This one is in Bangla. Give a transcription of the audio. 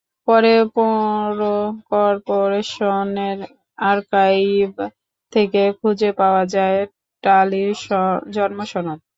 পরে পৌর করপোরেশনের আর্কাইভ থেকে খুঁজে পাওয়া যায় টালির জন্ম সনদ।